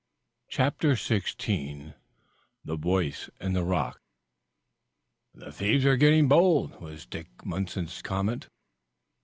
CHAPTER XVI THE VOICE IN THE ROCK "The thieves are getting bold!" was Dick Munson's comment.